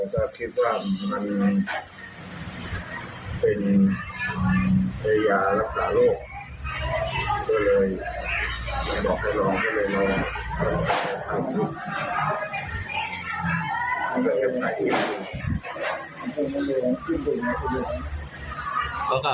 ไม่ขึ้นไปกินความผิดของพระพระคิดว่ามันเป็นใหญ่ยารักษาโรคด้วยเลย